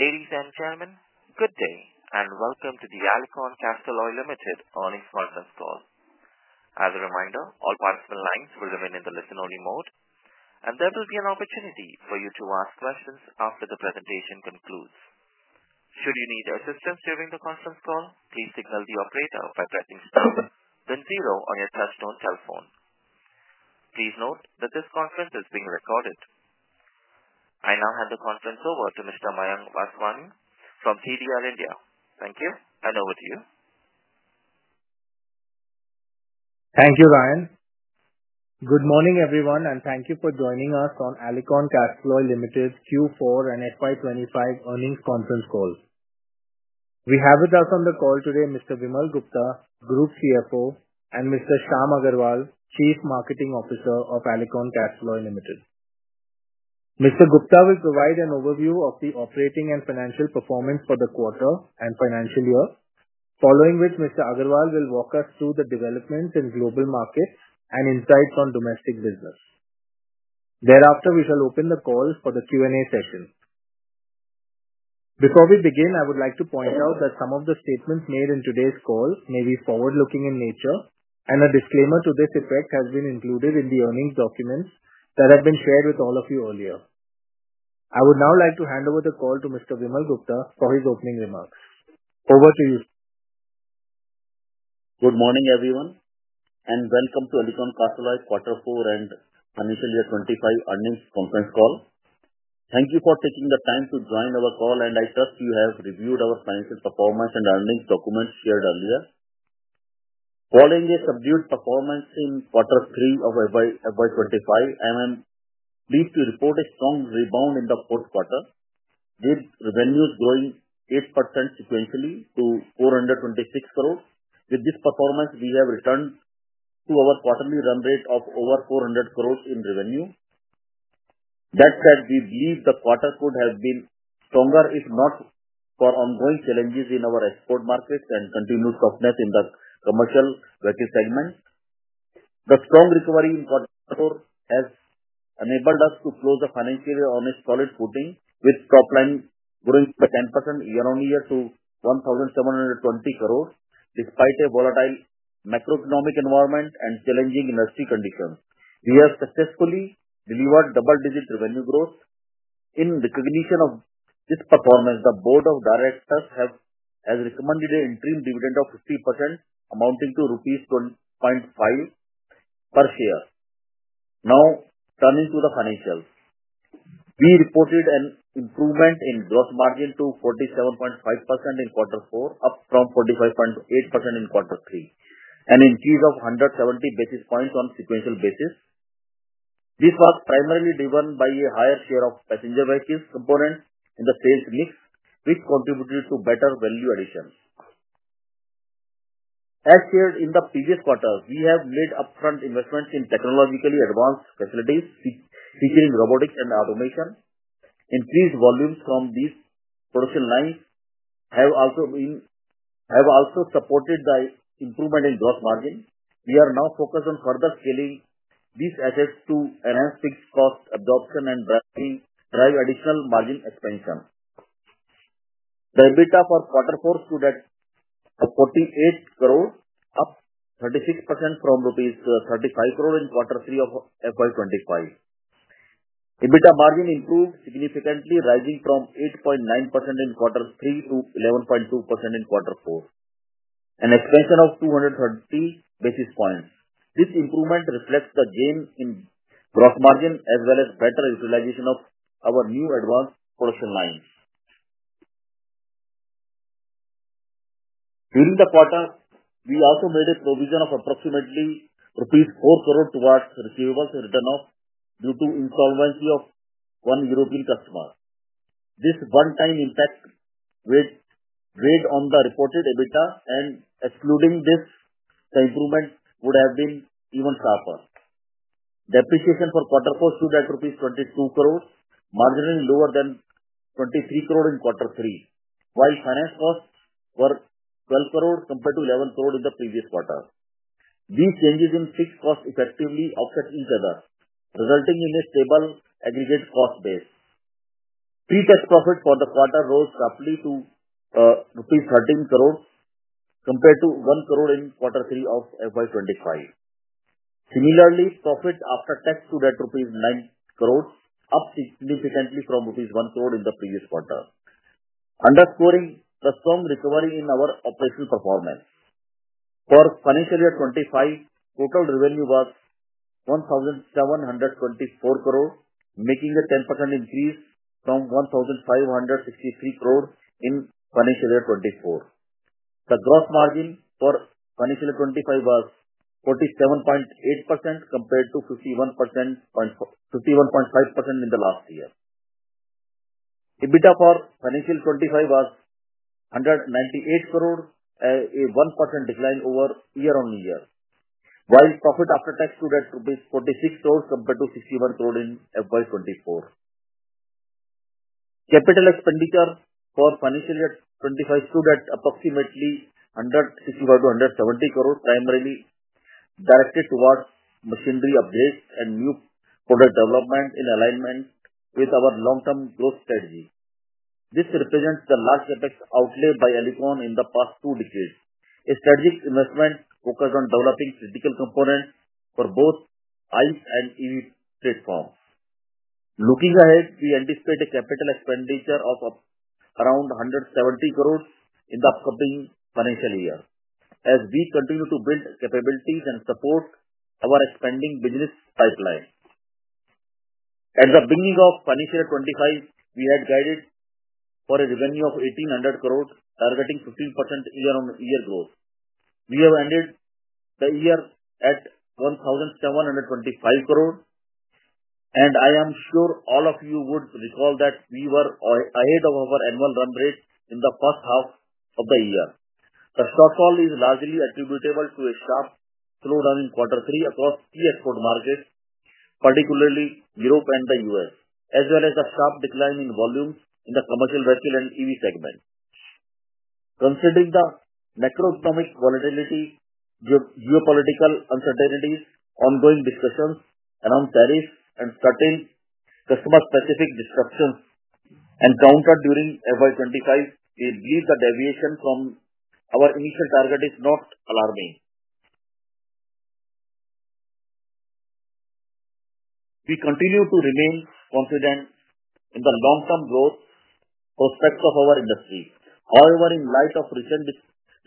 Ladies and gentlemen, good day, and welcome to the Alicon Castalloy Limited earnings conference call. As a reminder, all participant lines will remain in the listen-only mode, and there will be an opportunity for you to ask questions after the presentation concludes. Should you need assistance during the conference call, please signal the operator by pressing * then zero on your touch-tone telephone. Please note that this conference is being recorded. I now hand the conference over to Mr. Mayank Vaswani from CDR India. Thank you, and over to you. Thank you, Ryan. Good morning, everyone, and thank you for joining us on Alicon Castalloy Limited Q4 and FY25 earnings conference call. We have with us on the call today Mr. Vimal Gupta, Group CFO, and Mr. Shyam Agarwal, Chief Marketing Officer of Alicon Castalloy Limited. Mr. Gupta will provide an overview of the operating and financial performance for the quarter and financial year, following which Mr. Agarwal will walk us through the developments in global markets and insights on domestic business. Thereafter, we shall open the call for the Q&A session. Before we begin, I would like to point out that some of the statements made in today's call may be forward-looking in nature, and a disclaimer to this effect has been included in the earnings documents that have been shared with all of you earlier. I would now like to hand over the call to Mr. Vimal Gupta for his opening remarks. Over to you. Good morning, everyone, and welcome to Alicon Castalloy Q4 and FY25 earnings conference call. Thank you for taking the time to join our call, and I trust you have reviewed our financial performance and earnings documents shared earlier. Following a subdued performance in Q3 of FY25, I am pleased to report a strong rebound in the fourth quarter, with revenues growing 8% sequentially to 426 crore. With this performance, we have returned to our quarterly run rate of over 400 crore in revenue. That said, we believe the quarter could have been stronger if not for ongoing challenges in our export markets and continued softness in the commercial vehicle segment. The strong recovery in Q4 has enabled us to close the financial year on a solid footing, with top line growing by 10% year-on-year to 1,724 crore. Despite a volatile macroeconomic environment and challenging industry conditions. We have successfully delivered double-digit revenue growth. In recognition of this performance, the Board of Directors has recommended an interim dividend of 50%, amounting to rupees 2.5 per share. Now turning to the financials, we reported an improvement in gross margin to 47.5% in Q4, up from 45.8% in Q3, an increase of 170 basis points on a sequential basis. This was primarily driven by a higher share of passenger vehicles components in the sales mix, which contributed to better value addition. As shared in the previous quarter, we have made upfront investments in technologically advanced facilities featuring robotics and automation. Increased volumes from these production lines have also supported the improvement in gross margin. We are now focused on further scaling these assets to enhance fixed cost absorption and drive additional margin expansion. The EBITDA for Q4 stood at 48 crores, up 36% from rupees 35 crores in Q3 of FY25. EBITDA margin improved significantly, rising from 8.9% in Q3 to 11.2% in Q4, an expansion of 230 basis points. This improvement reflects the gain in gross margin as well as better utilization of our new advanced production lines. During the quarter, we also made a provision of approximately rupees 4 crores towards receivables return due to insolvency of one European customer. This one-time impact weighed on the reported EBITDA and excluding this, the improvement would have been even sharper. Depreciation for Q4 stood at rupees 22 crores, marginally lower than 23 crores in Q3, while finance costs were 12 crores compared to 11 crores in the previous quarter. These changes in fixed costs effectively offset each other, resulting in a stable aggregate cost base. Pre-tax profit for the quarter rose sharply to INR 13 crores compared to INR 1 crore in Q3 of FY25. Similarly, profit after tax stood at INR 9 crores, up significantly from INR 1 crore in the previous quarter, underscoring the strong recovery in our operational performance. For FY25, total revenue was 1,724 crores, making a 10% increase from 1,563 crores in FY24. The gross margin for FY25 was 47.8% compared to 51.5% in the last year. EBITDA for FY25 was INR 198 crores, a 1% decline year-on-year, while profit after tax stood at INR 46 crores compared to INR 61 crores in FY24. Capital expenditure for FY25 stood at approximately 165-170 crores, primarily directed towards machinery upgrades and new product development in alignment with our long-term growth strategy. This represents the large effect outlay by Alicon Castalloy Limited in the past two decades, a strategic investment focused on developing critical components for both ICE and EV platforms. Looking ahead, we anticipate a CapEx of around 170 crore in the upcoming financial year, as we continue to build capabilities and support our expanding business pipeline. At the beginning of FY2025, we had guided for a revenue of 1,800 crore, targeting 15% year-on-year growth. We have ended the year at 1,725 crore, and I am sure all of you would recall that we were ahead of our annual run rate in the first half of the year. The shortfall is largely attributable to a sharp slowdown in Q3 across key export markets, particularly Europe and the U.S., as well as a sharp decline in volumes in the commercial vehicle and EV segment. Considering the macroeconomic volatility, geopolitical uncertainties, ongoing discussions around tariffs, and certain customer-specific disruptions encountered during FY25, we believe the deviation from our initial target is not alarming. We continue to remain confident in the long-term growth prospects of our industry. However, in light of recent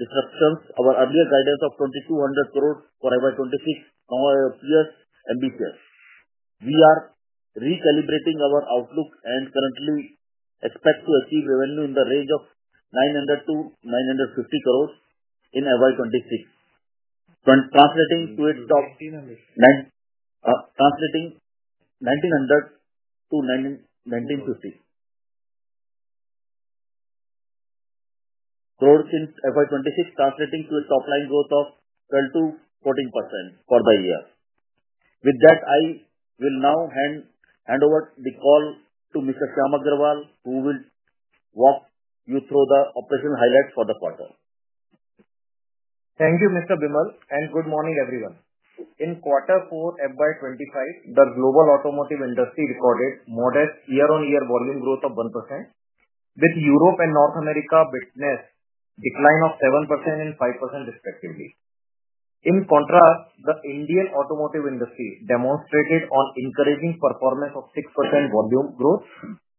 disruptions, our earlier guidance of 2,200 crores for FY26 now appears ambitious. We are recalibrating our outlook and currently expect to achieve revenue in the range of INR 1,900–1,950 crores in FY26, translating to a top line growth of INR 1,900-1,950 crores since FY26, translating to a top line growth of 12% to 14% for the year. With that, I will now hand over the call to Mr. Shyam Agarwal, who will walk you through the operational highlights for the quarter. Thank you, Mr. Vimal, and good morning, everyone. In Q4 FY25, the global automotive industry recorded modest year-on-year volume growth of 1%, with Europe and North America witnessing a decline of 7% and 5% respectively. In contrast, the Indian automotive industry demonstrated an encouraging performance of 6% volume growth,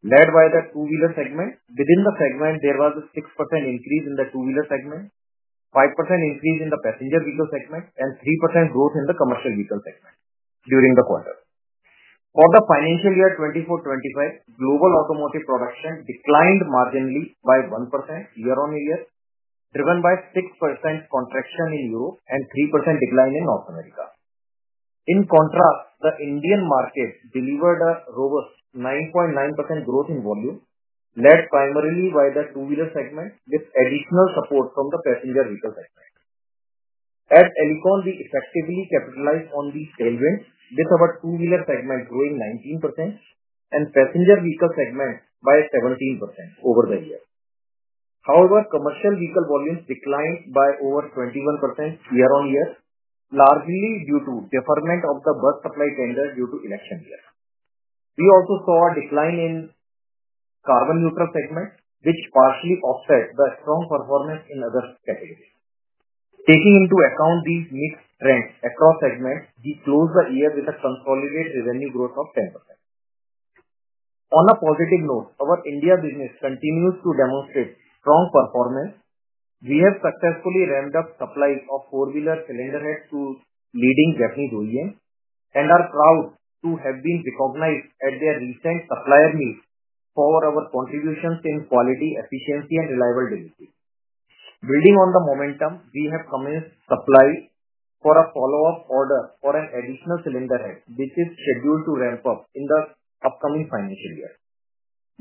led by the two-wheeler segment. Within the segment, there was a 6% increase in the two-wheeler segment, a 5% increase in the passenger vehicle segment, and a 3% growth in the commercial vehicle segment during the quarter. For the financial year 2024-2025, global automotive production declined marginally by 1% year-on-year, driven by a 6% contraction in Europe and a 3% decline in North America. In contrast, the Indian market delivered a robust 9.9% growth in volume, led primarily by the two-wheeler segment, with additional support from the passenger vehicle segment. At Alicon, we effectively capitalized on these tailwinds, with our two-wheeler segment growing 19% and passenger vehicle segment by 17% over the year. However, commercial vehicle volumes declined by over 21% year-on-year, largely due to deferment of the bus supply tender due to election year. We also saw a decline in the carbon-neutral segment, which partially offset the strong performance in other categories. Taking into account these mixed trends across segments, we closed the year with a consolidated revenue growth of 10%. On a positive note, our India business continues to demonstrate strong performance. We have successfully ramped up supply of four-wheeler cylinder heads to leading Japanese OEMs and are proud to have been recognized at their recent supplier meet for our contributions in quality, efficiency, and reliability. Building on the momentum, we have commenced supply for a follow-up order for an additional cylinder head, which is scheduled to ramp-up in the upcoming financial year.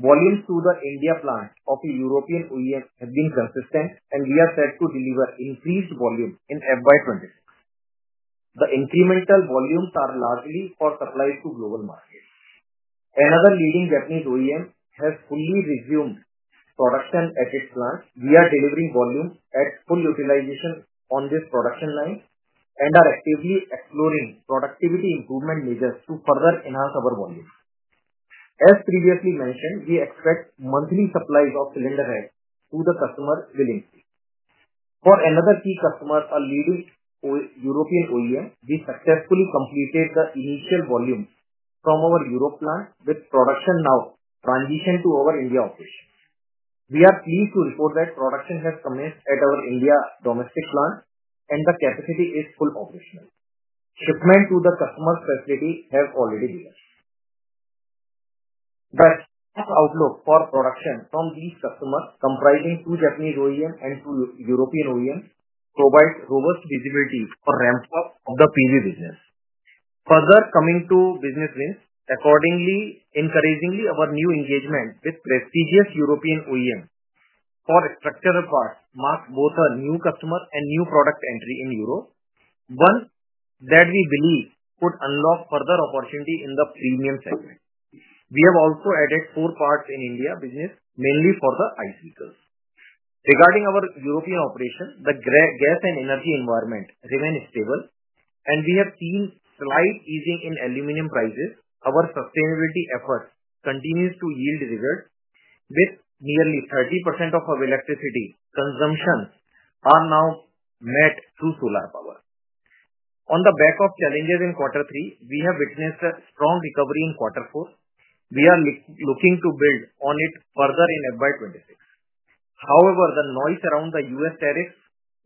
Volumes to the India plant of a European OEM, we have been consistent, and we are set to deliver increased volume in FY26. The incremental volumes are largely for supplies to global markets. Another leading Japanese OEM has fully resumed production at its plant. We are delivering volumes at full utilization on this production line and are actively exploring productivity improvement measures to further enhance our volume. As previously mentioned, we expect monthly supplies of cylinder heads to the customer willingly. For another key customer, a leading European OEM, we successfully completed the initial volume from our Europe plant, with production now transitioned to our India operations. We are pleased to report that production has commenced at our India domestic plant, and the capacity is fully operational. Shipment to the customer's facility has already begun. The outlook for production from these customers, comprising two Japanese OEMs and two European OEMs, provides robust visibility for ramp-up of the PV business, further coming to business wins accordingly, encouragingly. Our new engagement with prestigious European OEMs for structure parts marks both a new customer and new product entry in Europe, one that we believe could unlock further opportunity in the premium segment. We have also added four parts in India business, mainly for the ICE vehicles. Regarding our European operation, the gas and energy environment remains stable, and we have seen slight easing in aluminum prices. Our sustainability effort continues to yield results, with nearly 30% of our electricity consumption now met through solar power. On the back of challenges in Q3, we have witnessed a strong recovery in Q4. We are looking to build on it further in FY26. However, the noise around the U.S., tariffs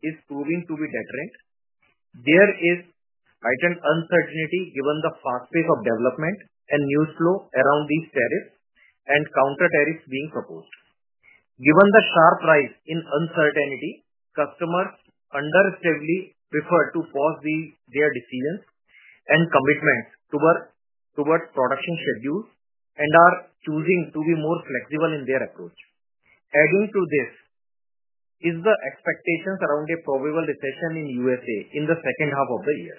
is proving to be deterrent. There is heightened uncertainty given the fast pace of development and news flow around these tariffs and counter-tariffs being proposed. Given the sharp rise in uncertainty, customers understandably prefer to pause their decisions and commitments towards production schedules and are choosing to be more flexible in their approach. Adding to this is the expectations around a probable recession in the U.S.A. in the second half of the year.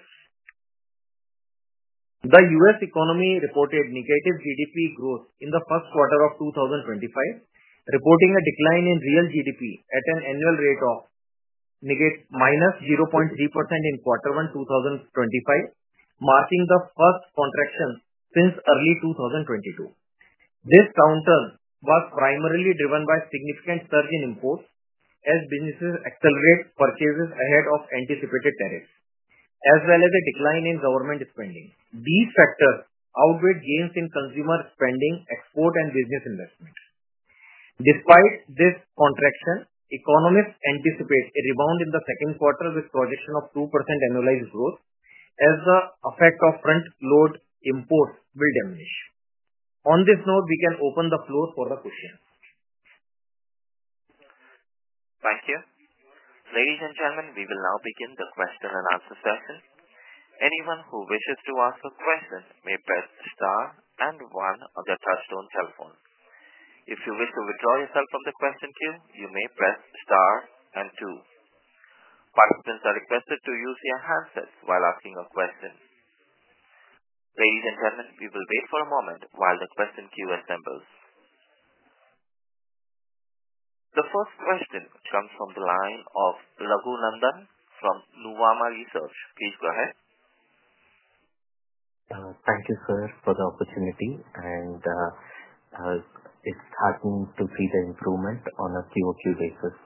The U.S. economy reported negative GDP growth in the first quarter of 2025, reporting a decline in real GDP at an annual rate of -0.3% in Q1 2025, marking the first contraction since early 2022. This downturn was primarily driven by a significant surge in imports, as businesses accelerated purchases ahead of anticipated tariffs, as well as a decline in government spending. These factors outweighed gains in consumer spending, export, and business investment. Despite this contraction, economists anticipate a rebound in the second quarter with a projection of 2% annualized growth, as the effect of front-load imports will diminish. On this note, we can open the floor for the questions. Thank you. Ladies and gentlemen, we will now begin the question and answer session. Anyone who wishes to ask a question may press * and one on the touchstone cell phone. If you wish to withdraw yourself from the question queue, you may press * and two. Participants are requested to use their handsets while asking a question. Ladies and gentlemen, we will wait for a moment while the question queue assembles. The first question comes from the line of Raghu Nandan from Nuvama Research. Please go ahead. Thank you, sir, for the opportunity. It is starting to see the improvement on a Q-o-Q basis.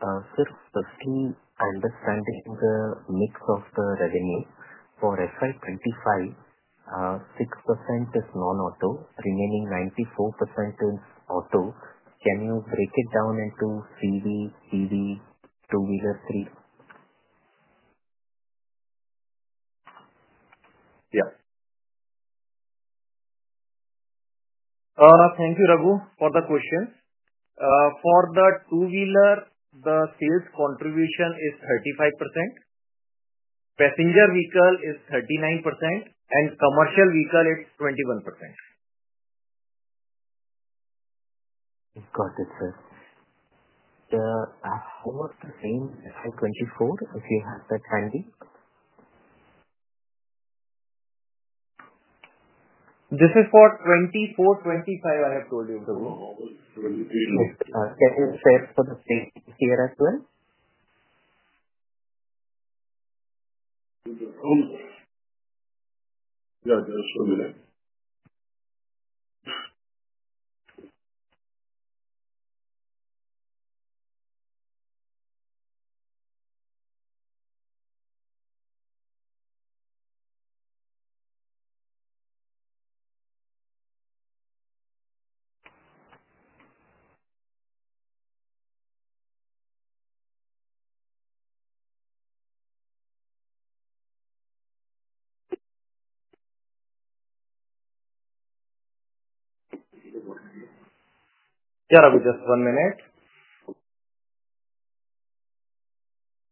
Sir, firstly, understanding the mix of the revenue, for FY25, 6% is non-auto, remaining 94% is auto. Can you break it down into CV, PV, two-wheeler, three? Yeah. Thank you, Raghu, for the question. For the two-wheeler, the sales contribution is 35%. Passenger vehicle is 39%, and commercial vehicle is 21%. Got it, sir. How about the same FY 2024, if you have that handy? This is for 2024-2025, I have told you. Can you share for the state here as well? Yeah, just one minute. Yeah, Raghu, just one minute.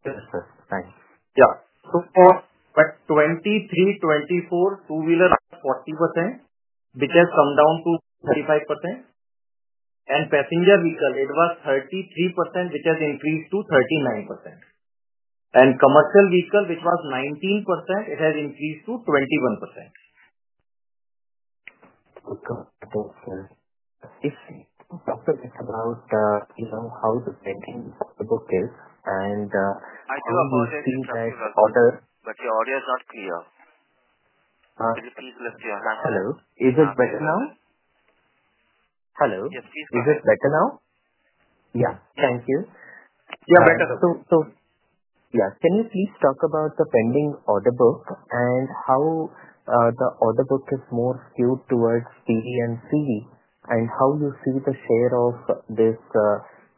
Yes, sir, thank you. Yeah. For 2023-2024, two-wheeler was 40%, which has come down to 35%. Passenger vehicle, it was 33%, which has increased to 39%. Commercial vehicle, which was 19%, it has increased to 21%. Okay. Sir, you know how the selling book is, and I do apologize to you. Your audio is not clear. Can you please lift your hand? Hello. Is it better now? Hello. Yes, please go ahead. Is it better now? Yeah, thank you. Yeah, better. Yeah, can you please talk about the pending order book and how the order book is more skewed towards PV and CV and how you see the share of this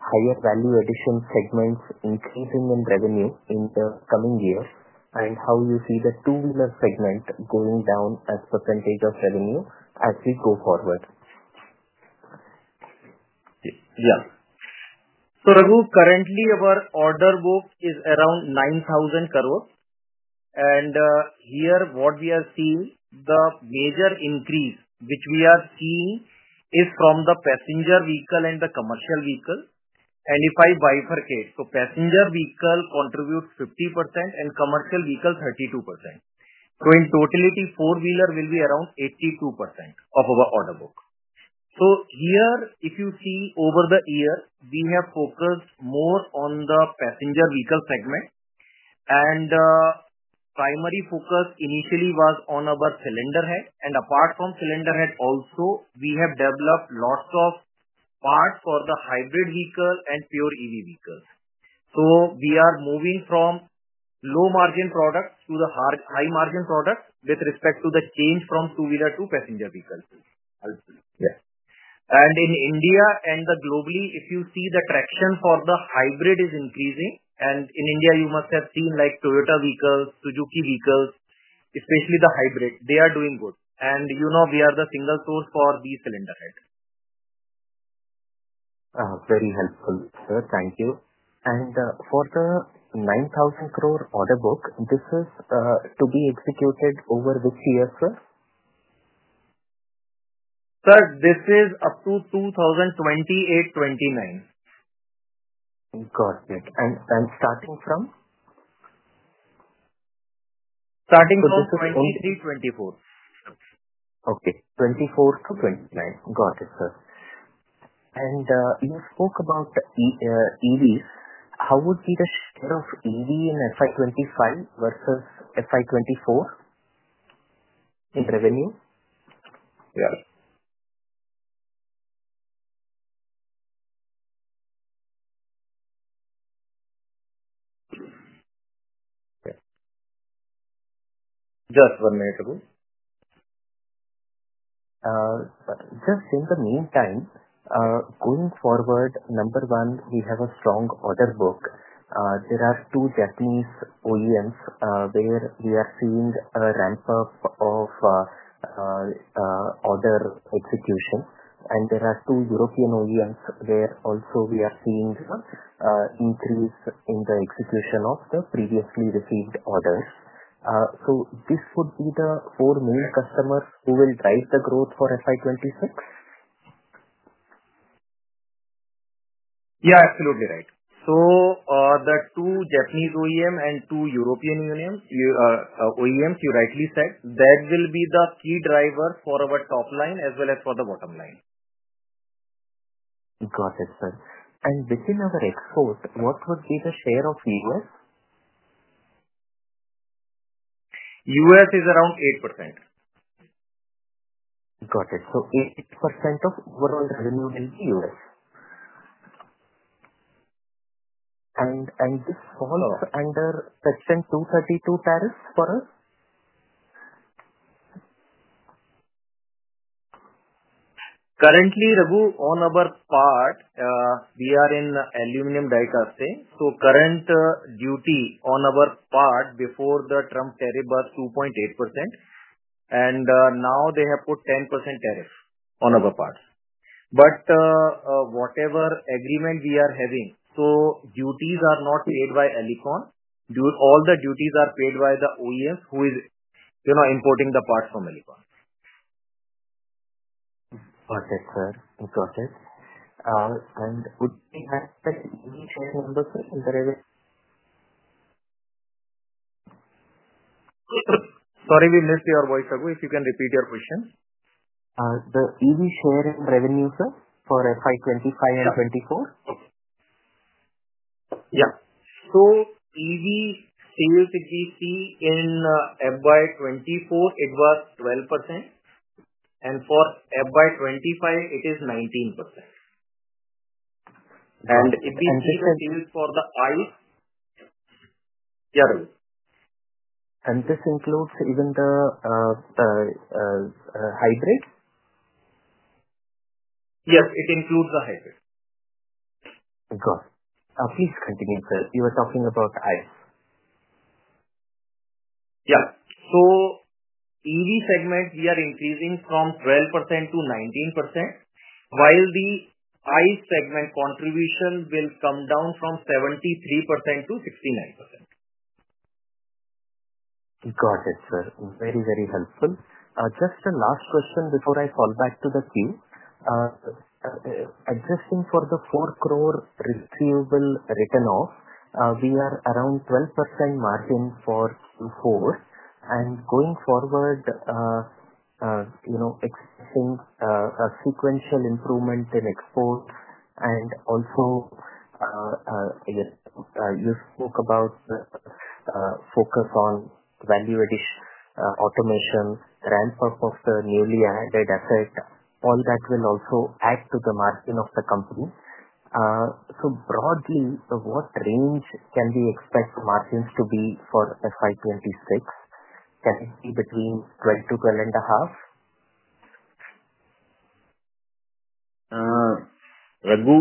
higher value addition segments increasing in revenue in the coming years and how you see the two-wheeler segment going down as percentage of revenue as we go forward? Yeah. So Raghu, currently, our order book is around 9,000 crores. And here, what we are seeing, the major increase which we are seeing is from the passenger vehicle and the commercial vehicle. If I bifurcate, passenger vehicle contributes 50% and commercial vehicle 32%. In totality, four-wheeler will be around 82% of our order book. If you see over the year, we have focused more on the passenger vehicle segment, and primary focus initially was on our cylinder head. Apart from cylinder head, also, we have developed lots of parts for the hybrid vehicle and pure EV vehicles. We are moving from low-margin products to the high-margin products with respect to the change from two-wheeler to passenger vehicle. And in India and globally, if you see the traction for the hybrid is increasing. In India, you must have seen Toyota vehicles, Suzuki vehicles, especially the hybrid. They are doing good. We are the single source for the cylinder head. Very helpful, sir. Thank you. For the INR 9,000 crore order book, this is to be executed over which year, sir? Sir, this is up to 2028-2029. Got it. Starting from? Starting from 2024. Okay, 24 to 29. Got it, sir. You spoke about EVs. How would be the share of EV in FY25 versus FY24 in revenue? Yes. Just one minute, Raghu. Just in the meantime, going forward, number one, we have a strong order book. There are two Japanese OEMs where we are seeing a ramp-up of order execution. There are two European OEMs where also we are seeing an increase in the execution of the previously received orders. This would be the four main customers who will drive the growth for FY26? Yeah, absolutely right. The two Japanese OEMs and two European OEMs, you rightly said, that will be the key drivers for our top line as well as for the bottom-line. Got it, sir. Within our export, what would be the share of US? U.S. is around 8%. Got it. So 8% of overall revenue in the U.S. And this falls under Section 232 tariffs for us? Currently, Raghu, on our part, we are in aluminum die-casting. The current duty on our part before the Trump tariff was 2.8%. Now they have put a 10% tariff on our part. Whatever agreement we are having, duties are not paid by Alicon. All the duties are paid by the OEMs who are importing the parts from Alicon. Got it, sir. Got it. Would you expect EV share number, sir, in the revenue? Sorry, we missed your voice, Raghu. If you can repeat your question. The EV share in revenue, sir, for FY25 and 24? Yeah. EV sales if we see in FY2024, it was 12%. For FY2025, it is 19%. If we see the sales for the ICE? Yeah, Raghu. This includes even the hybrid? Yes, it includes the hybrid. Got it. Please continue, sir. You were talking about ICE. Yeah. EV segment, we are increasing from 12% to 19%, while the ICE segment contribution will come down from 73% to 69%. Got it, sir. Very, very helpful. Just a last question before I fall back to the queue. Adjusting for the 40,000,000 retrieval written off, we are around 12% margin for Q4. Going forward, expecting a sequential improvement in exports. Also, you spoke about the focus on value-addition automation, ramp-up of the newly added asset. All that will also add to the margin of the company. Broadly, what range can we expect margins to be for FY 2026? Can it be between 12% to 12.5%? Raghu,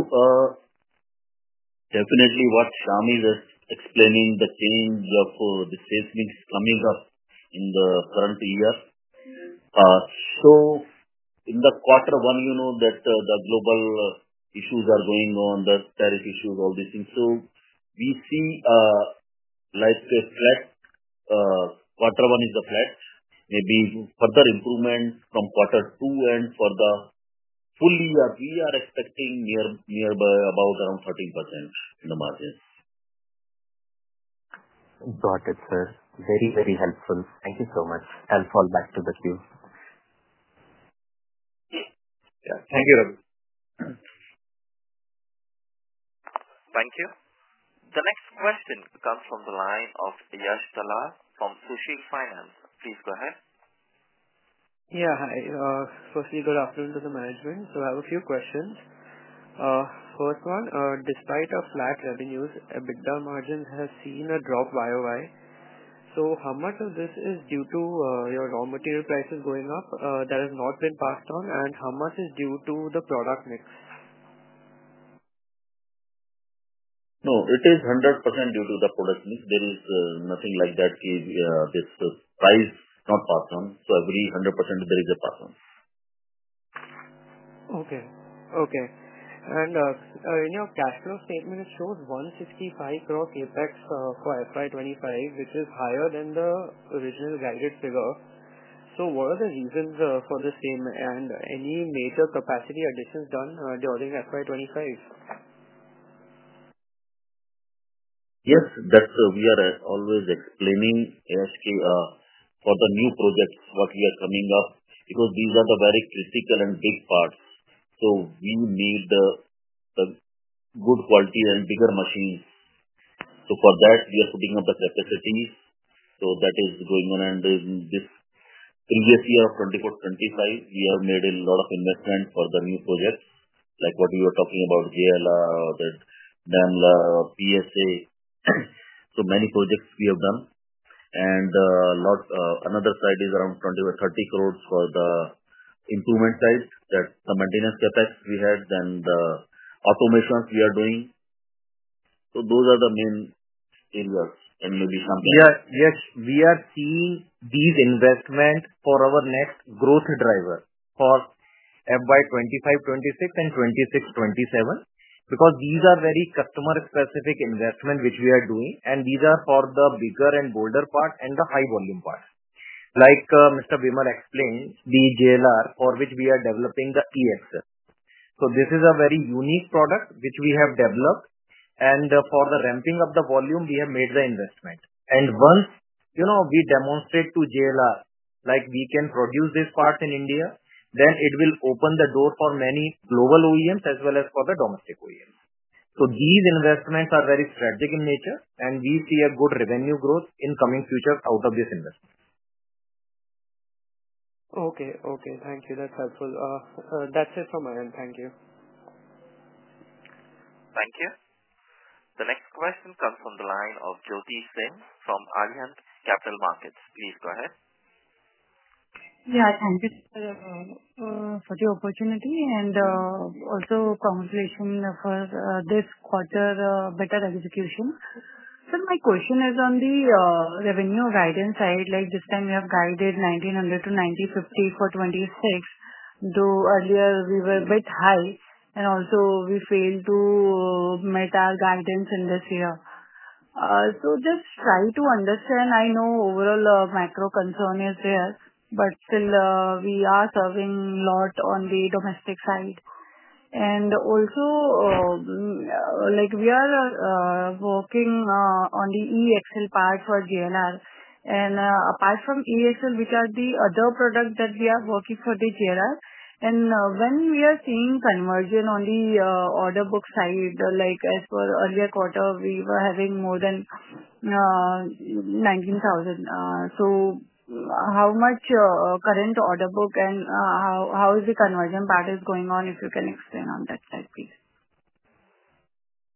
definitely what Shyam is explaining, the change of the sales mix coming up in the current year. In quarter one, you know that the global issues are going on, the tariff issues, all these things. We see like a flat, quarter one is flat. Maybe further improvement from quarter two and for the full year, we are expecting about around 13% in the margins. Got it, sir. Very, very helpful. Thank you so much. I'll fall back to the queue. Yeah. Thank you, Raghu. Thank you. The next question comes from the line of Yash Dalal from Sushi Finance. Please go ahead. Yeah, hi. Firstly, good afternoon to the management. I have a few questions. First one, despite our flat revenues, EBITDA margins have seen a drop Y-o-Y. How much of this is due to your raw material prices going up that has not been passed on, and how much is due to the product mix? No, it is 100% due to the product mix. There is nothing like that. This price is not passed on. So every 100%, there is a pass-on. Okay. Okay. In your cash flow statement, it shows 165 crore CapEx for FY25, which is higher than the original guided figure. What are the reasons for the same and any major capacity additions done during FY25? Yes, that's we are always explaining for the new projects, what we are coming up, because these are the very critical and big parts. We need good quality and bigger machines. For that, we are putting up the capacity. That is going on. In this previous year of 2024-2025, we have made a lot of investment for the new projects, like what we were talking about, JLR, Daimler, PSA. So many projects we have done. Another side is around 20-30 crores for the improvement side, that the maintenance CapEx we had, then the automations we are doing. Those are the main areas. Maybe some. Yeah. Yes, we are seeing these investments for our next growth driver for FY25-26 and 26-27, because these are very customer-specific investments which we are doing. These are for the bigger and bolder part and the high-volume parts. Like Mr. Vimal explained, the JLR, for which we are developing the e-axle. This is a very unique product which we have developed. For the ramping of the volume, we have made the investment. Once we demonstrate to JLR like, "We can produce these parts in India," it will open the door for many global OEMs as well as for the domestic OEMs. These investments are very strategic in nature, and we see a good revenue growth in coming futures out of this investment. Okay. Okay. Thank you. That's helpful. That's it from my end. Thank you. Thank you. The next question comes from the line of Jyoti Singh from Arihant Capital Markets. Please go ahead. Yeah, thank you, sir, for the opportunity. Also, congratulations for this quarter better execution. Sir, my question is on the revenue guidance side. This time, we have guided 1,900-1,950 for 2026. Though earlier, we were a bit high, and also we failed to meet our guidance in this year. Just trying to understand. I know overall macro concern is there, but still, we are serving a lot on the domestic side. Also, we are working on the e-axle part for JLR. Apart from e-axle, which are the other products that we are working for the JLR, and when are we seeing conversion on the order book side? Like as per earlier quarter, we were having more than 19,000. How much current order book and how is the conversion part going on, if you can explain on that side, please?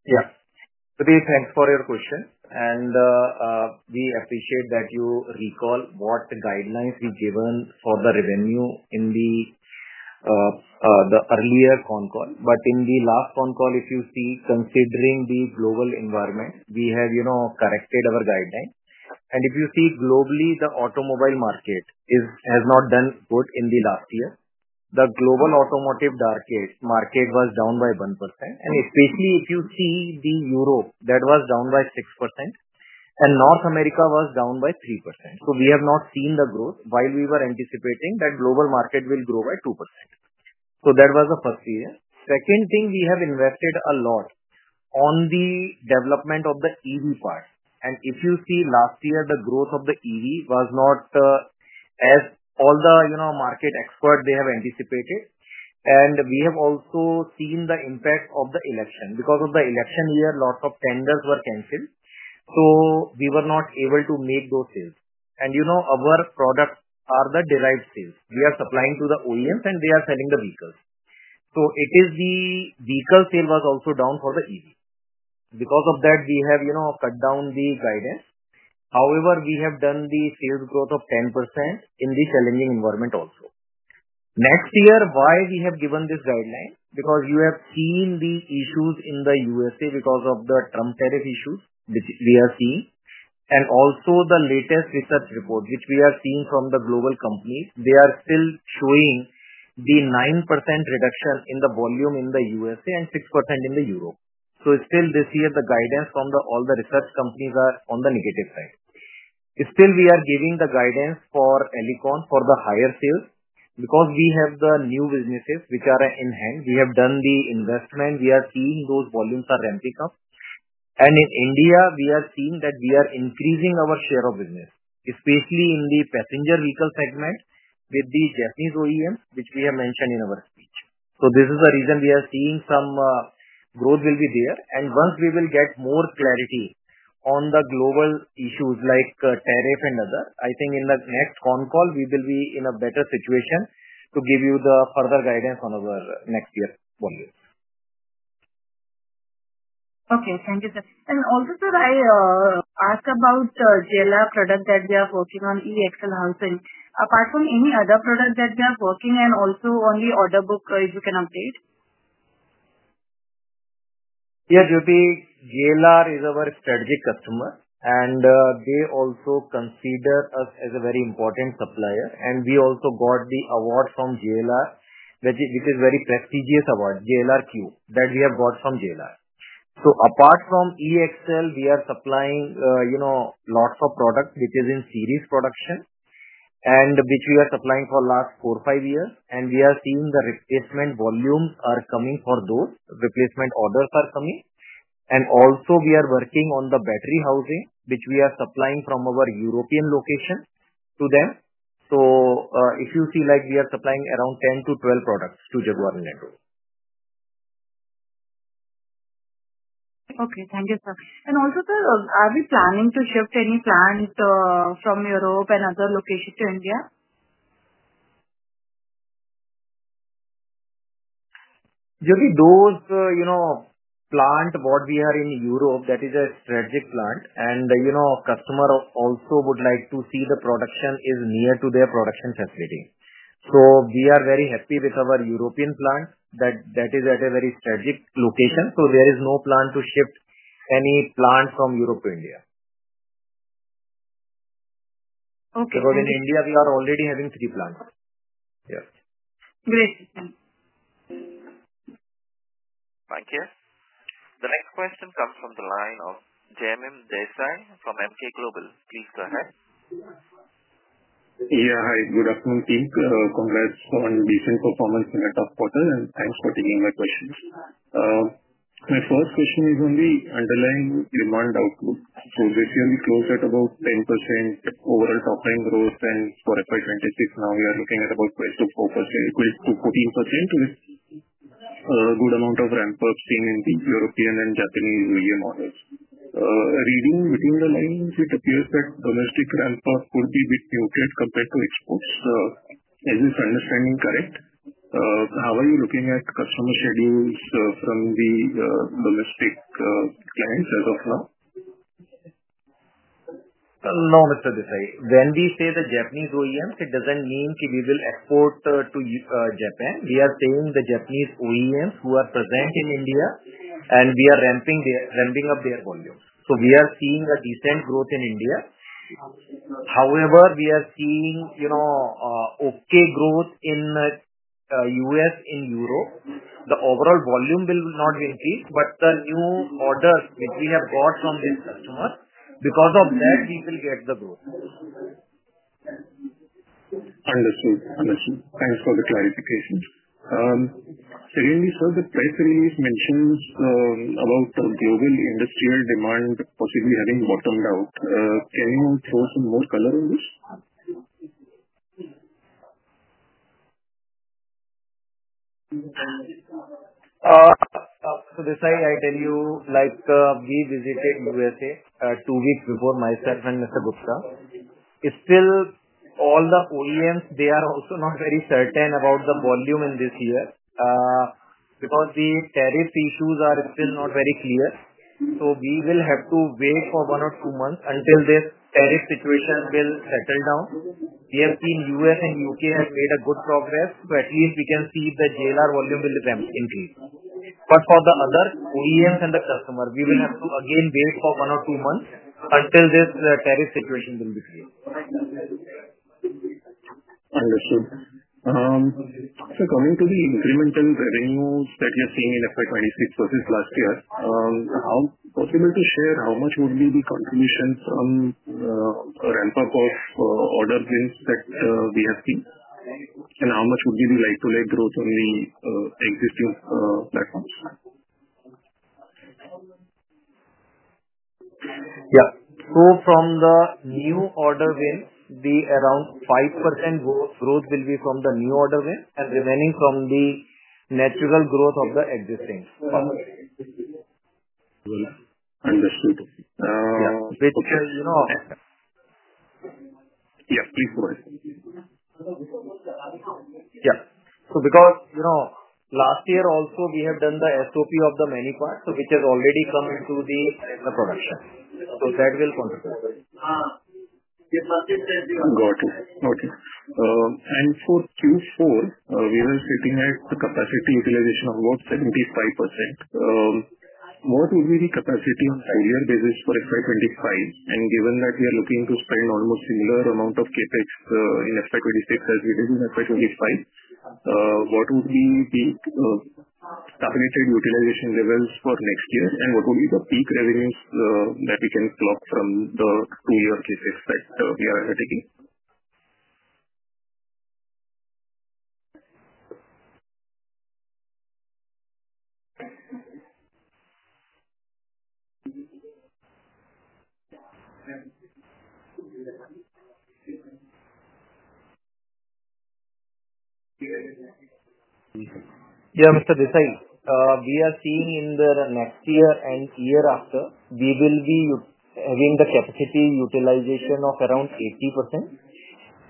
Yeah. Jyoti, thanks for your question. We appreciate that you recall what guidelines we given for the revenue in the earlier con call. In the last con call, if you see, considering the global environment, we have corrected our guidelines. If you see, globally, the automobile market has not done good in the last year. The global automotive market was down by 1%. Especially if you see Europe, that was down by 6%. North America was down by 3%. We have not seen the growth while we were anticipating that global market will grow by 2%. That was the first area. Second thing, we have invested a lot on the development of the EV part. If you see, last year, the growth of the EV was not as all the market experts they have anticipated. We have also seen the impact of the election. Because of the election year, lots of tenders were canceled. We were not able to make those sales. Our products are the derived sales. We are supplying to the OEMs, and they are selling the vehicles. The vehicle sale was also down for the EV. Because of that, we have cut down the guidance. However, we have done the sales growth of 10% in the challenging environment also. Next year, why we have given this guideline? You have seen the issues in the U.S. because of the Trump tariff issues which we are seeing. Also, the latest research report which we are seeing from the global companies, they are still showing the 9% reduction in the volume in the U.S. and 6% in Europe. Still, this year, the guidance from all the research companies is on the negative side. Still, we are giving the guidance for Alicon for higher sales because we have the new businesses which are in hand. We have done the investment. We are seeing those volumes are ramping up. In India, we are seeing that we are increasing our share of business, especially in the passenger vehicle segment with the Japanese OEMs which we have mentioned in our speech. This is the reason we are seeing some growth will be there. Once we get more clarity on the global issues like tariff and other, I think in the next con call, we will be in a better situation to give you further guidance on our next year's volume. Okay. Thank you, sir. Also, sir, I asked about JLR product that we are working on e-axle housing. housing. Apart from any other product that we are working and also on the order book, if you can update? Yeah, Jyoti, JLR is our strategic customer. They also consider us as a very important supplier. We also got the award from JLR, which is a very prestigious award, JLR Q, that we have got from JLR. Apart from e-axle, we are supplying lots of products which are in series production and which we are supplying for the last four, five years. We are seeing the replacement volumes are coming for those. Replacement orders are coming. We are also working on the battery housing which we are supplying from our European location to them. If you see, we are supplying around 10-12 products to Jaguar Land Rover. Okay. Thank you, sir. Also, sir, are we planning to shift any plant from Europe and other locations to India? Jyoti, those plants, what we have in Europe, that is a strategic plant. The customer also would like to see the production is near to their production facility. We are very happy with our European plant that is at a very strategic location. There is no plan to shift any plant from Europe to India. In India, we are already having three plants. Yes. Great. Thank you. The next question comes from the line of Jaimin Desai from MK Global. Please go ahead. Yeah. Hi. Good afternoon, team. Congrats on decent performance in the last quarter. Thanks for taking my questions. My first question is on the underlying demand outlook. This year, we closed at about 10% overall top-line growth. For FY2026, now we are looking at about 12%-14% with a good amount of ramp-up seen in the European and Japanese OEM models. Reading between the lines, it appears that domestic ramp-up could be a bit muted compared to exports. Is this understanding correct? How are you looking at customer schedules from the domestic clients as of now? No, Mr. Desai. When we say the Japanese OEMs, it does not mean we will export to Japan. We are saying the Japanese OEMs who are present in India, and we are ramping up their volumes. We are seeing a decent growth in India. However, we are seeing okay growth in the U.S., in Europe. The overall volume will not increase, but the new orders which we have got from these customers, because of that, we will get the growth. Understood. Understood. Thanks for the clarification. Shyam sir, the price release mentions about global industrial demand possibly having bottomed out. Can you throw some more color on this? Desai, I tell you, we visited the U.S.A. two weeks before, myself and Mr. Gupta. Still, all the OEMs, they are also not very certain about the volume in this year because the tariff issues are still not very clear. We will have to wait for one or two months until this tariff situation will settle down. We have seen the U.S. and U.K. have made good progress. At least we can see the JLR volume will increase. For the other OEMs and the customers, we will have to again wait for one or two months until this tariff situation will be clear. Understood. Sir, coming to the incremental revenues that you're seeing in FY26 versus last year, possible to share how much would be the contribution from ramp-up of order plans that we have seen? How much would be the like-to-like growth on the existing platforms? Yeah. From the new order win, around 5% growth will be from the new order win and the remaining from the natural growth of the existing ones. Understood. Yeah. Which. Yeah, please go ahead. Yeah. Because last year, also, we have done the SOP of many parts, which has already come into the production. That will contribute. Got it. Okay. For Q4, we are sitting at the capacity utilization of about 75%. What would be the capacity on a full-year basis for FY 2025? Given that we are looking to spend almost similar amount of CapEx in FY 2026 as we did in FY 2025, what would be the targeted utilization levels for next year? What would be the peak revenues that we can plot from the two-year CapEx that we are undertaking? Yeah, Mr. Desai, we are seeing in the next year and year after, we will be having the capacity utilization of around 80%.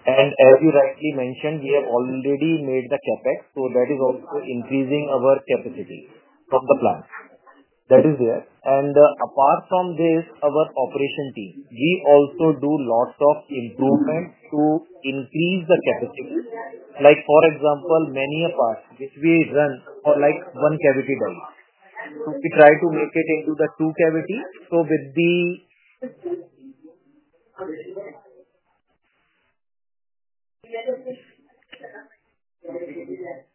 As you rightly mentioned, we have already made the CapEx. That is also increasing our capacity from the plant. That is there. Apart from this, our operation team, we also do lots of improvements to increase the capacity. For example, many of us, which we run for one cavity daily, we try to make it into the two cavities. With the.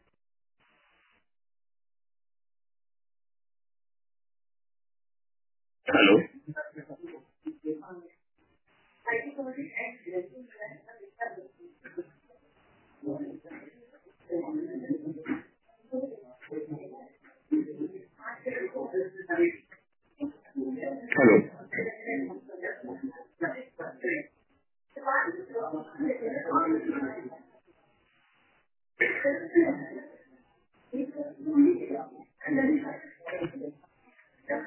Hello? Hello. We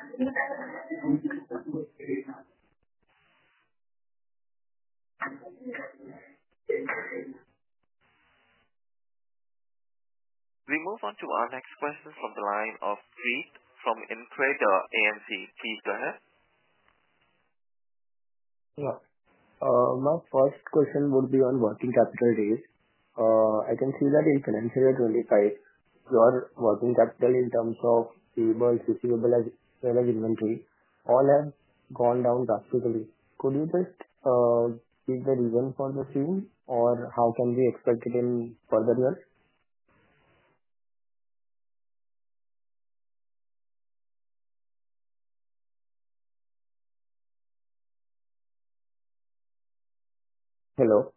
move on to our next question from the line of Vivek from InCred AMC. Please go ahead. Yeah. My first question would be on working capital rate. I can see that in financial year 2025, your working capital in terms of payables, receivables, as well as inventory, all have gone down drastically. Could you just give the reason for the change, or how can we expect it in further years? Hello?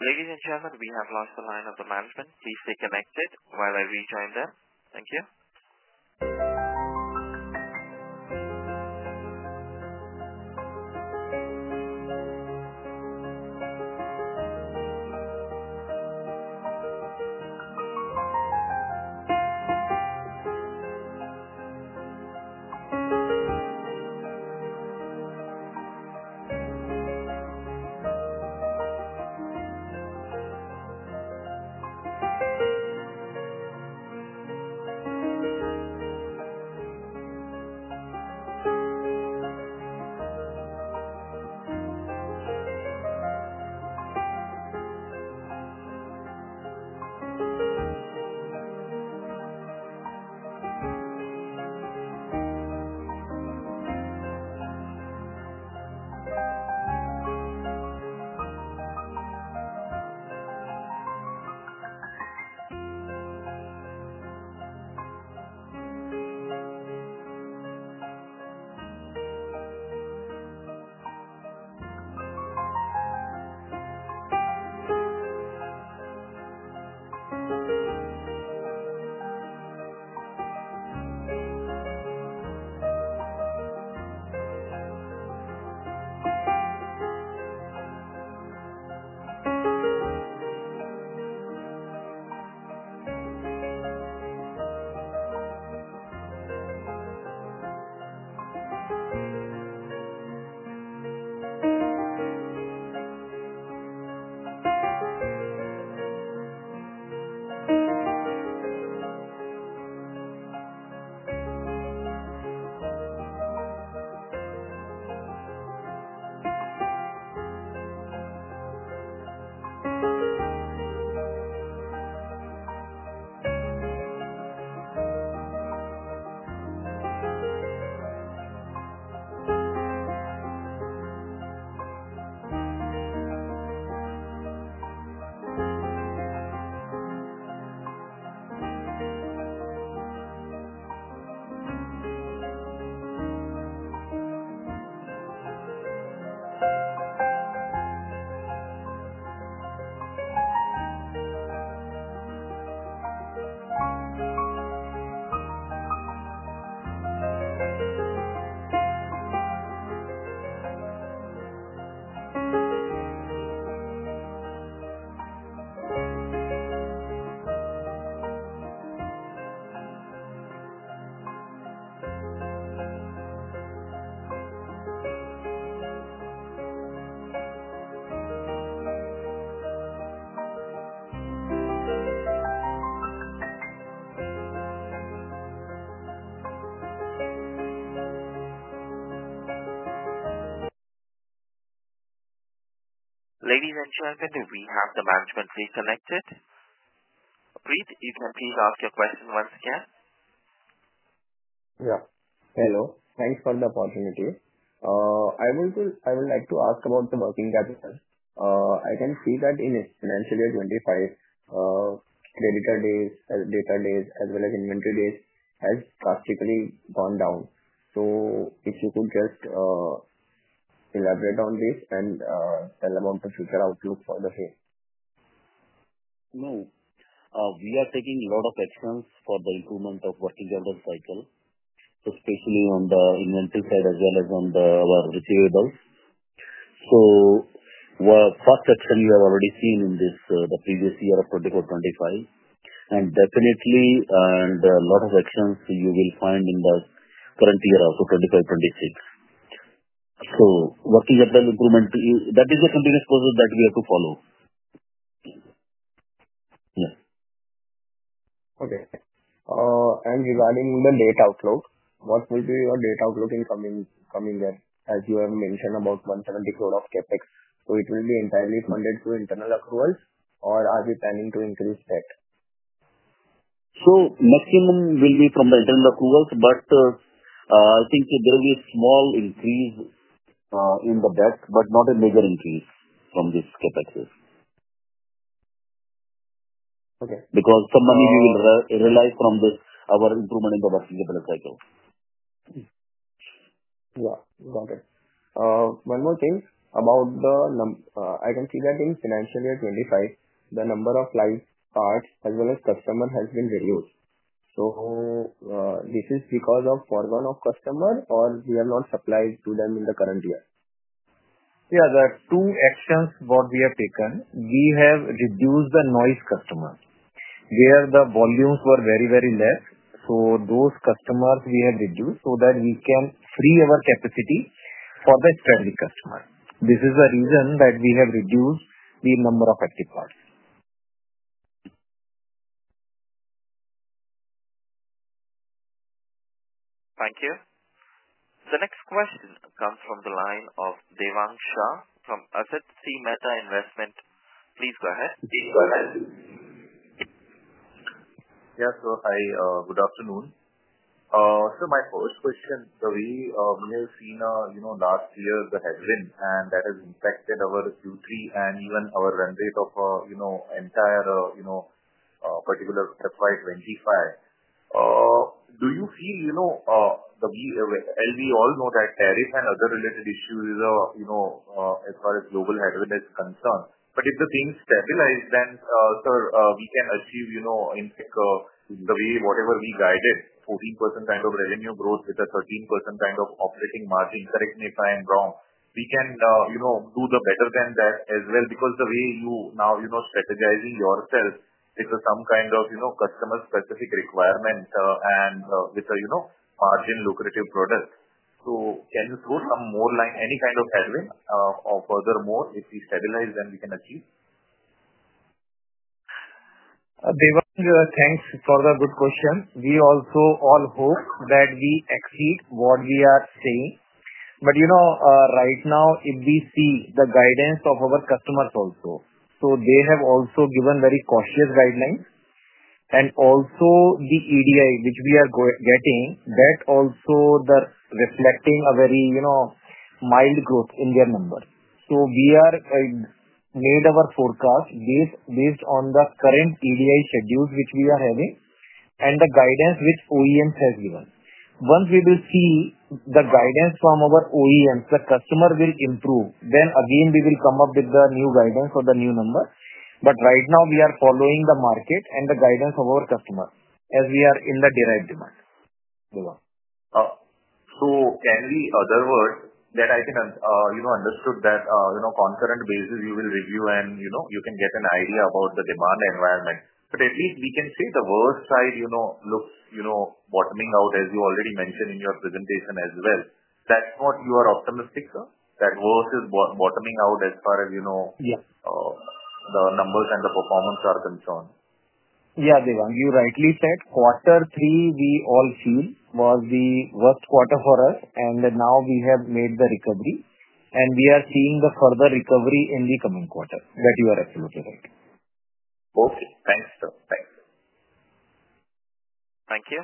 Ladies and gentlemen, we have lost the line of the management. Please stay connected while I rejoin them. Thank you. Ladies and gentlemen, we have the management reconnected. Vivek, you can please ask your question once again. Yeah. Hello. Thanks for the opportunity. I would like to ask about the working capital. I can see that in financial year 2025, creditor days, debtor days, as well as inventory days, have drastically gone down. If you could just elaborate on this and tell about the future outlook for the same. No. We are taking a lot of actions for the improvement of working capital cycle, especially on the inventory side as well as on our receivables. Fast action we have already seen in the previous year of 2024-2025. Definitely, a lot of actions you will find in the current year of 2025-2026. Working capital improvement, that is the continuous process that we have to follow. Yes. Okay. Regarding the data outlook, what will be your data outlook in the coming year? As you have mentioned about 170 crore of CapEx, will it be entirely funded through internal accruals, or are we planning to increase that? Maximum will be from the internal accruals, but I think there will be a small increase in the debt, but not a major increase from this CapEx. Because some money we will realize from our improvement in the working capital cycle. Yeah. Got it. One more thing about the, I can see that in financial year 2025, the number of clients, parts, as well as customers has been reduced. Is this because of foregone customers, or we have not supplied to them in the current year? Yeah. The two actions what we have taken, we have reduced the noise customers where the volumes were very, very less. So those customers we have reduced so that we can free our capacity for the strategic customers. This is the reason that we have reduced the number of active parts. Thank you. The next question comes from the line of Devang Shah from Asit C Mehta Investment. Please go ahead. Please go ahead. Yes. Good afternoon. My first question, we have seen last year the headwind, and that has impacted our Q3 and even our run rate of entire particular FY2025. Do you feel that we all know that tariff and other related issues as far as global headwind is concerned? If things stabilize, then we can achieve, in fact, the way whatever we guided, 14% kind of revenue growth with a 13% kind of operating margin. Correct me if I am wrong. We can do better than that as well because the way you now strategizing yourself with some kind of customer-specific requirement and with a margin lucrative product. Can you throw some more line, any kind of headwind or furthermore, if we stabilize, then we can achieve? Devang, thanks for the good question. We also all hope that we exceed what we are saying. Right now, if we see the guidance of our customers also, they have also given very cautious guidelines. Also, the EDI which we are getting, that also reflecting a very mild growth in their number. We have made our forecast based on the current EDI schedules which we are having and the guidance which OEMs have given. Once we will see the guidance from our OEMs, the customer will improve. Again, we will come up with the new guidance or the new number. Right now, we are following the market and the guidance of our customers as we are in the derived demand. Can we, in other words, understand that on a concurrent basis, you will review and you can get an idea about the demand environment? At least we can see the worst side looks bottoming out, as you already mentioned in your presentation as well. That is why you are optimistic that worst is bottoming out as far as the numbers and the performance are concerned. Yeah, Devang, you rightly said. Quarter three, we all feel was the worst quarter for us. We have made the recovery. We are seeing the further recovery in the coming quarter. That you are absolutely right. Okay. Thanks, sir. Thanks. Thank you.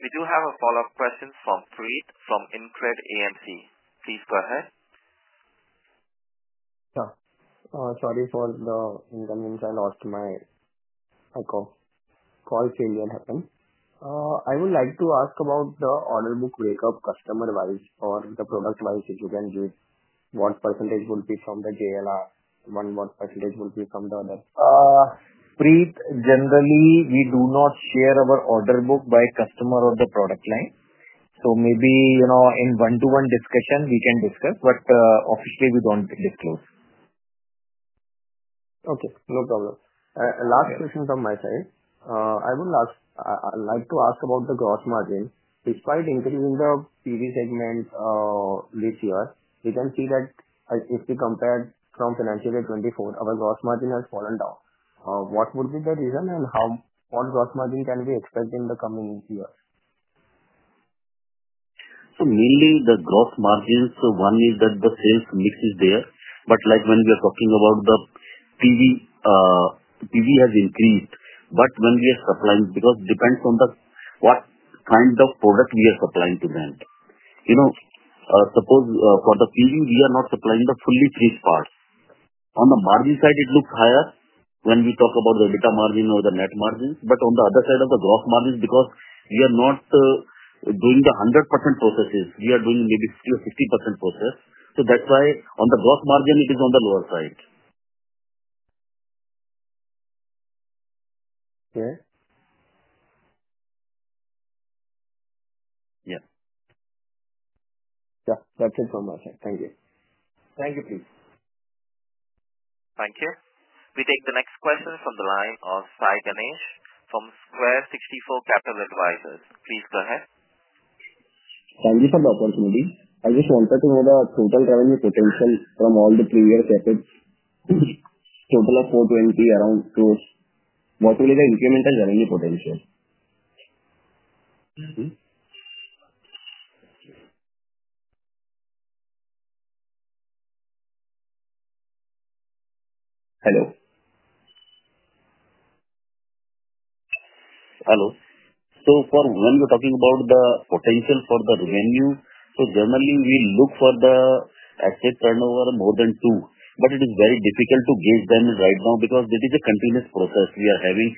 We do have a follow-up question from Preet from InCred AMC. Please go ahead. Sir, sorry for the intermittent, I lost my call. Call failure happened. I would like to ask about the order book breakup customer-wise or product-wise. If you can give what percentage would be from the JLR, one, what percentage would be from the other? Preet, generally, we do not share our order book by customer or the product line. Maybe in one-to-one discussion, we can discuss, but officially, we do not disclose. Okay. No problem. Last question from my side. I would like to ask about the gross margin. Despite increasing the PV segment this year, we can see that if we compare from financial year 2024, our gross margin has fallen down. What would be the reason and what gross margin can we expect in the coming years? Mainly, the gross margins, one is that the sales mix is there. When we are talking about the PV, PV has increased. When we are supplying, because it depends on what kind of product we are supplying to them. Suppose for the PV, we are not supplying the fully finished parts. On the margin side, it looks higher when we talk about the EBITDA margin or the net margins. On the other side of the gross margins, because we are not doing the 100% processes, we are doing maybe 50% process. That is why on the gross margin, it is on the lower side. Okay. Yeah. That's it from my side. Thank you. Thank you, Preet. Thank you. We take the next question from the line of Sai Ganesh from Square 64 Capital Advisors. Please go ahead. Thank you for the opportunity. I just wanted to know the total revenue potential from all the previous efforts. Total of 420 crore around gross. What will be the incremental revenue potential? Hello. Hello. When we are talking about the potential for the revenue, generally, we look for the asset turnover more than two. It is very difficult to gauge them right now because it is a continuous process we are having.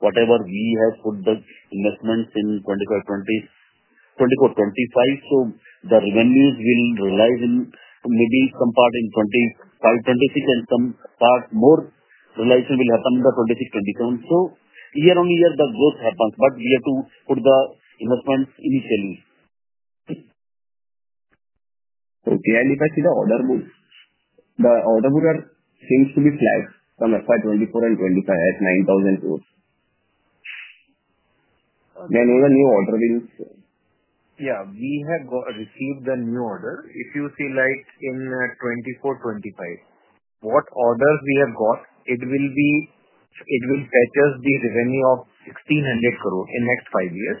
Whatever we have put the investments in 2024-2025, the revenues will realize in maybe some part in 2025-2026 and some part more realization will happen in 2026-2027.So year-on-year, the growth happens. We have to put the investments initially. Okay. I look back to the order book. The order book seems to be flat from FY 2024 and 2025 at INR 9,000 crores. When will the new order be? Yeah. We have received the new order. If you see in 2024-2025, what orders we have got, it will fetch us the revenue of 1,600 crore in next five years.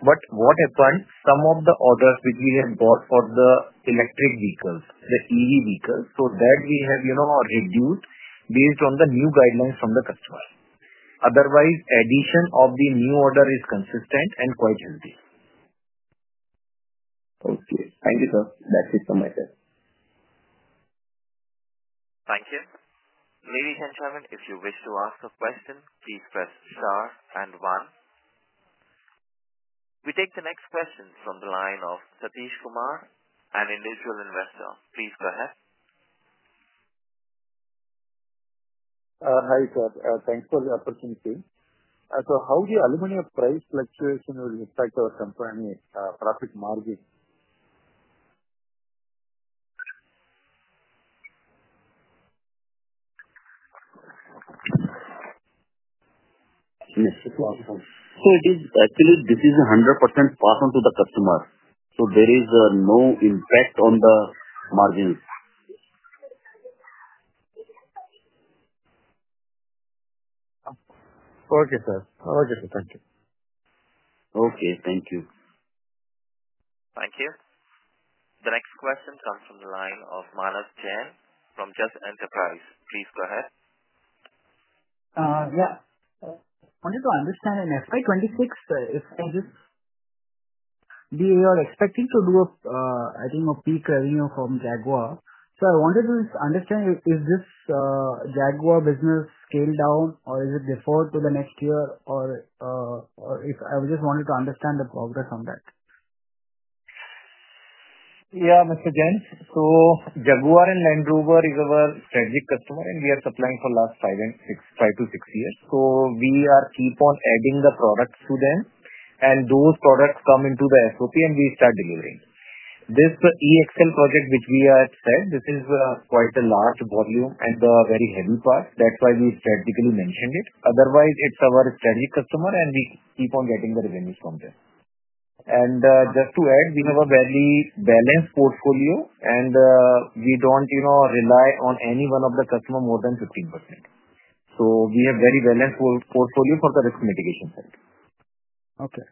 What happened, some of the orders which we have got for the electric vehicles, the EV vehicles, we have reduced based on the new guidelines from the customers. Otherwise, addition of the new order is consistent and quite healthy. Okay. Thank you, sir. That's it from my side. Thank you. Ladies and gentlemen, if you wish to ask a question, please press star and one. We take the next question from the line of Satish Kumar, an individual investor. Please go ahead. Hi, sir. Thanks for the opportunity. How will the aluminum price fluctuation impact our company profit margin? Actually, this is 100% passed on to the customer. There is no impact on the margins. Okay, sir. Thank you. Okay. Thank you. Thank you. The next question comes from the line of Manas Jain from Just Enterprise. Please go ahead. Yeah. I wanted to understand in FY26, if I just we are expecting to do, I think, a peak revenue from Jaguar. I wanted to understand, is this Jaguar business scaled down, or is it deferred to the next year? I just wanted to understand the progress on that. Yeah, Mr. Jain. So Jaguar and Land Rover is our strategic customer, and we are supplying for the last five to six years. We keep on adding the products to them, and those products come into the SOP, and we start delivering. This e-axle project which we have said, this is quite a large volume and a very heavy part. That is why we strategically mentioned it. Otherwise, it is our strategic customer, and we keep on getting the revenues from them. Just to add, we have a very balanced portfolio, and we do not rely on any one of the customers more than 15%. We have a very balanced portfolio for the risk mitigation side. Okay.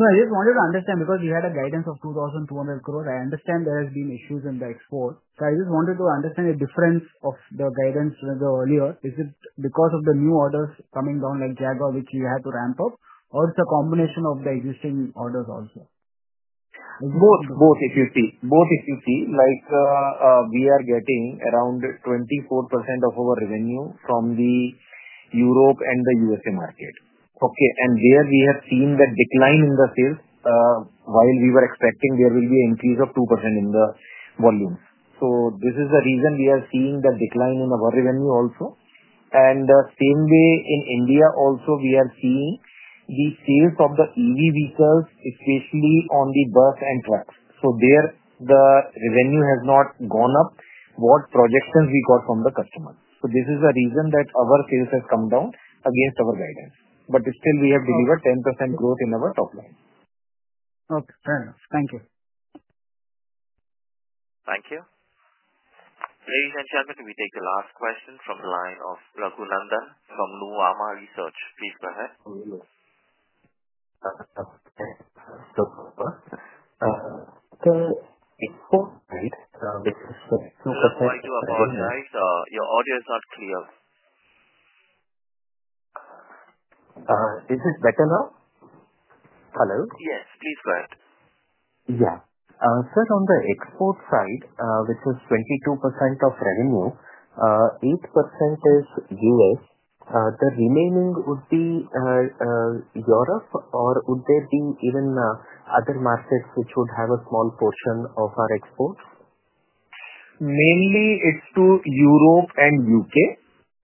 I just wanted to understand because we had a guidance of 2,200 crores. I understand there have been issues in the export. I just wanted to understand the difference of the guidance earlier. Is it because of the new orders coming down like Jaguar, which you had to ramp up, or is it a combination of the existing orders also? Both, if you see. We are getting around 24% of our revenue from the Europe and the U.S.A. market. Okay? And there, we have seen the decline in the sales. While we were expecting there will be an increase of 2% in the volume. This is the reason we are seeing the decline in our revenue also. In India also, we are seeing the sales of the EV vehicles, especially on the bus and trucks. There, the revenue has not gone up what projections we got from the customers. This is the reason that our sales have come down against our guidance. Still, we have delivered 10% growth in our top-line. Okay. Fair enough. Thank you. Thank you. Ladies and gentlemen, we take the last question from the line of Raghu Nandan from Nuvama Research. Please go ahead. Sir, export rate with respect to %? What do I do about that? Your audio is not clear. Is it better now? Hello? Yes. Please go ahead. Yeah. Sir, on the export side, which is 22% of revenue, 8% is U.S. The remaining would be Europe, or would there be even other markets which would have a small portion of our exports? Mainly, it's to Europe and U.K.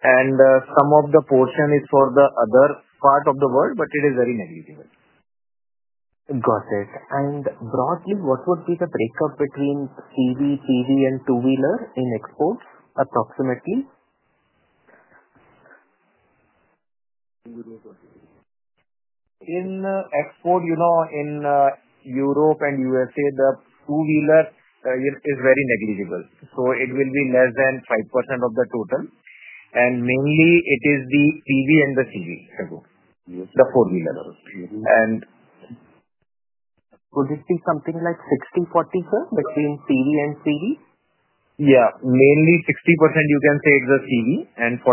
Some of the portion is for the other part of the world, but it is very negligible. Got it. Broadly, what would be the breakup between CP, PV and two-wheeler in exports approximately? In export, in Europe and U.S.A., the two-wheeler is very negligible. It will be less than 5% of the total. Mainly, it is the PV and the CV, the four-wheeler. Would it be something like 60-40, sir, between PV and CV? Yeah. Mainly, 60% you can say it's the CV, and 40%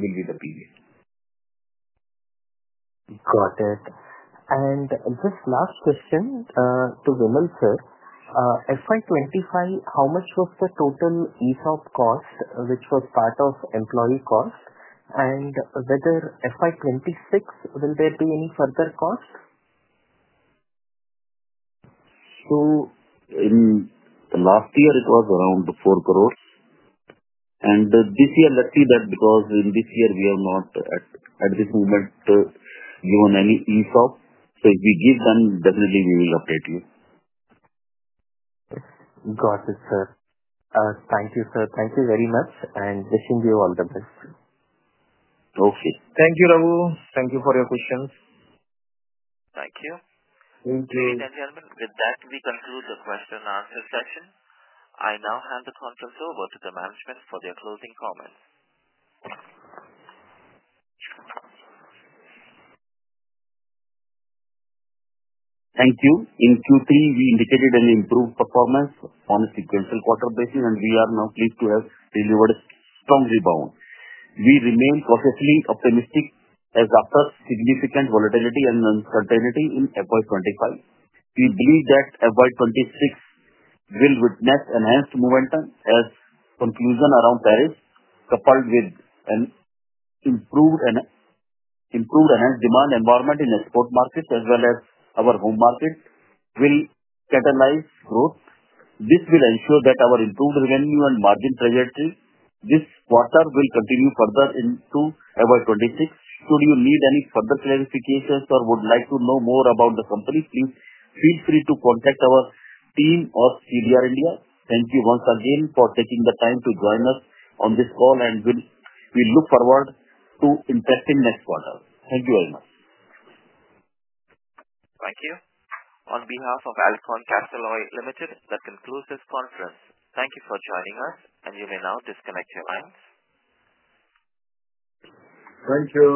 will be the PV. Got it. Just last question to Vimal sir. FY25, how much was the total ESOP cost which was part of employee cost? Whether FY26, will there be any further cost? Last year, it was around 4 crores. This year, let's see that because in this year, we are not at this moment given any ESOP. If we give them, definitely, we will update you. Got it, sir. Thank you, sir. Thank you very much. Wishing you all the best. Okay. Thank you, Raghu. Thank you for your questions. Thank you. Thank you. Ladies and gentlemen, with that, we conclude the question-and-answer session. I now hand the conference over to the management for their closing comments. Thank you. In Q3, we indicated an improved performance on a sequential quarter basis, and we are now pleased to have delivered a strong rebound. We remain perfectly optimistic as after significant volatility and uncertainty in FY25. We believe that FY26 will witness enhanced momentum as conclusion around tariffs, coupled with an improved enhanced demand environment in export markets as well as our home market, will catalyze growth. This will ensure that our improved revenue and margin trajectory this quarter will continue further into FY26. Should you need any further clarifications or would like to know more about the company, please feel free to contact our team of CDR India. Thank you once again for taking the time to join us on this call, and we look forward to interesting next quarter. Thank you very much. Thank you. On behalf of Alicon Castalloy Limited, that concludes this conference. Thank you for joining us, and you may now disconnect your lines. Thank you.